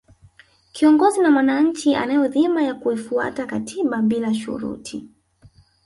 kiongozi na mwanachi anayo dhima ya kuifuata katiba bila shuruti